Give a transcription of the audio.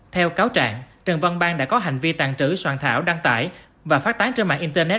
theo cáo trạng trần văn bang đã có hành vi tàn trữ soạn thảo đăng tải và phát tán trên mạng internet